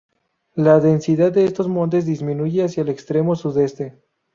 La densidad de estos montes disminuye hacia el extremo sudeste.